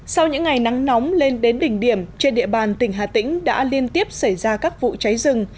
sau những ngày nắng nóng lên đến đỉnh điểm trên địa bàn tỉnh hà tĩnh đã liên tiếp xảy ra các vụ cháy rừng